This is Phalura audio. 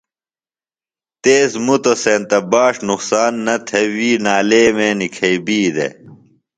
تیز مُتوۡ سینتہ باݜ نقصان نہ تھےۡ وی نالیمے نِکھئی بی۔